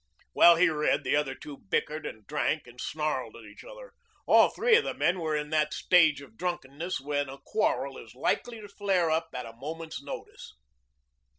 While he read the other two bickered and drank and snarled at each other. All three of the men were in that stage of drunkenness when a quarrel is likely to flare up at a moment's notice.